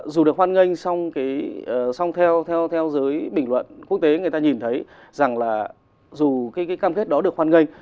dù được hoan nghênh xong theo dưới bình luận quốc tế người ta nhìn thấy rằng là dù cam kết đó được hoan nghênh